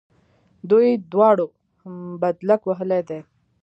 دوی دواړو بدلک وهلی دی.